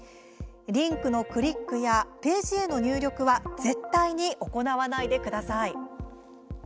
リンクのクリックやページへの入力は絶対に行わないでください。